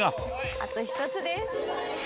あと１つです。